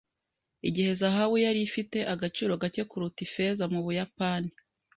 Igihe zahabu yari ifite agaciro gake kuruta ifeza mu Buyapani.